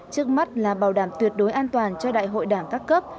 trước mắt là bảo đảm tuyệt đối an toàn cho đại hội đảng các cấp